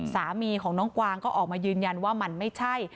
สามีของน้องกวางก็ออกมายืนยันว่ามันไม่ใช่